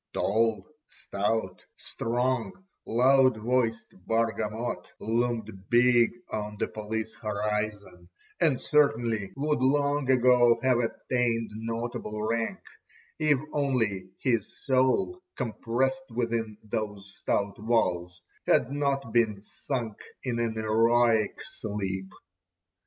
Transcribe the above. Tall, stout, strong, loud voiced Bargamot loomed big on the police horizon, and certainly would long ago have attained notable rank, if only his soul, compressed within those stout walls, had not been sunk in an heroic sleep.